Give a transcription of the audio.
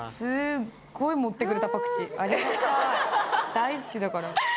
大好きだから。